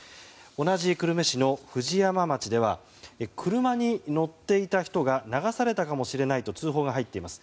同じ久留米市の藤山町では車に乗っていた人が流されたかもしれないと通報が入っています。